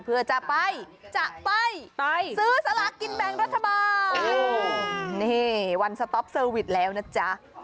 เพื่อจะไปจะไปซื้อสลากินแบ่งรัฐบาลนี่วันสต๊อปเซอร์วิสแล้วนะจ๊ะ